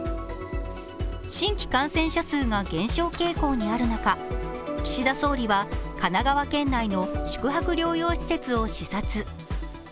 新規感染者数が減少傾向にある中、岸田総理は神奈川県内の宿泊療養施設を視察。